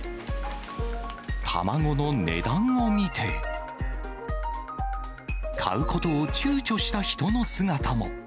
卵の値段を見て、買うことをちゅうちょした人の姿も。